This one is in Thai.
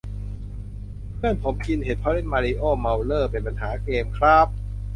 เพื่อนผมกินเห็ด เพราะเล่นมาริโอ้ เมาเร่อ เป็นปัญหาเกมคร้าบ~